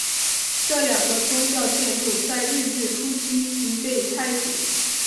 这两个宗教建筑在日治初期即被拆除。